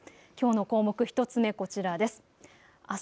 きょうの項目、１つ目こちらです。